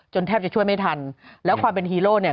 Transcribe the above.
แทบจะช่วยไม่ทันแล้วความเป็นฮีโร่เนี่ย